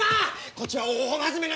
こっちは大真面目なんだ！